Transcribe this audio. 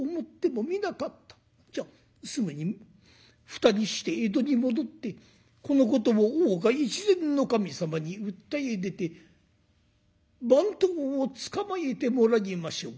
じゃあすぐに二人して江戸に戻ってこのことを大岡越前守様に訴え出て番頭を捕まえてもらいましょう。